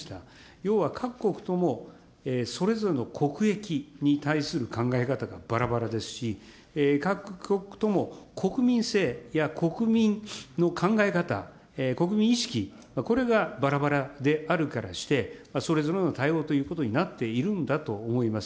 要は各国ともそれぞれの国益に対する考え方がばらばらですし、各国とも国民性や国民の考え方、国民意識、これがばらばらであるからして、それぞれの対応ということになってるんだと思います。